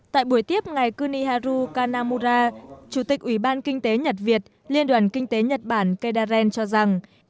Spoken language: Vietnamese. tại buổi tiếp ngày kuniharu kanamura chủ tịch ủy ban kinh tế nhật việt liên đoàn kinh tế nhật bản keizaren cho rằng